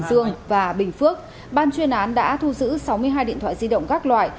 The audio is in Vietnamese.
hương và bình phước ban chuyên án đã thu giữ sáu mươi hai điện thoại di động các loại